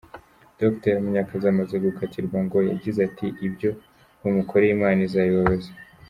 Dr Munyakazi amaze gukatirwa ngo yagize ati “Ibyo bamukoreye imana izabibabaza”.